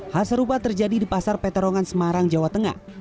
hal serupa terjadi di pasar peterongan semarang jawa tengah